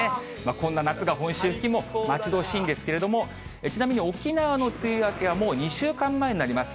こんな夏が本州付近も待ち遠しいんですけれども、ちなみに沖縄の梅雨明けはもう２週間前になります。